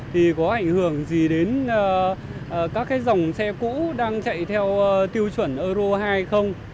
thì có ảnh hưởng gì đến các cái dòng xe cũ đang chạy theo tiêu chuẩn euro hai hay không